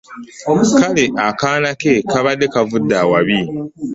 Kale akaana ke kabadde kavudde awabi.